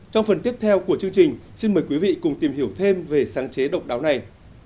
trong phần tiếp theo của chương trình xin mời quý vị cùng tìm hiểu thêm về sáng chế độc đáo này